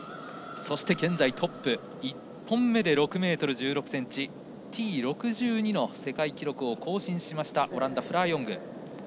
そして現在トップ１本目で６ｍ１６ｃｍＴ６２の世界記録を更新しましたオランダのフラー・ヨング。